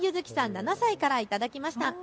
７歳から頂きました。